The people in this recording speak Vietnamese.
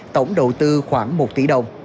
tổng đầu tư khoảng một tỷ đồng